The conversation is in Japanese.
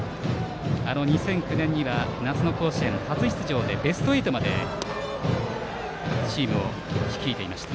２００９年には夏の甲子園初出場でベスト８までチームを率いていました。